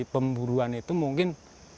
pemburuan itu mungkin